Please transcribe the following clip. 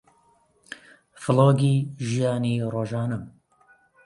ڤڵۆگی ژیانی ڕۆژانەم